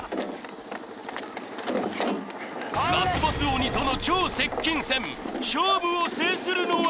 ラスボス鬼との超接近戦勝負を制するのは！？